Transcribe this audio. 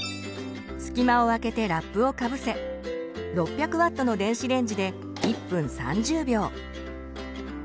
隙間をあけてラップをかぶせ６００Ｗの電子レンジで１分３０秒。